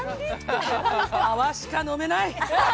泡しか飲めない！